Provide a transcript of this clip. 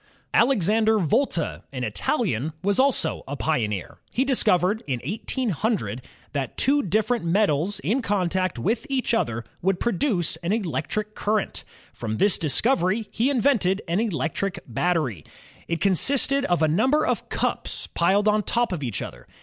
* Alexander Volta, an Italian, was also a pioneer. He discovered in 1800 that two different metals in contact with each other would produce an electric current. From this discovery, he invented an electric battery. It con sisted of a number of cups pOed on top of each other.